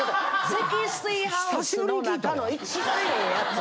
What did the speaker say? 積水ハウスの中の一番ええやつ。